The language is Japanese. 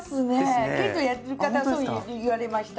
剣道やってる方はそう言われました。